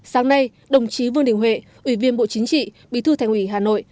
sáng nay đồng chí vương đình huệ ủy viên bộ chính trị bí thư thành ủy hà nội